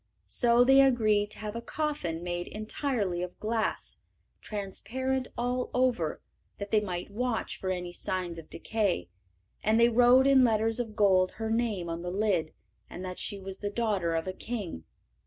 So they agreed to have a coffin made entirely of glass, transparent all over, that they might watch for any signs of decay, and they wrote in letters of gold her name on the lid, and that she was the daughter of a king.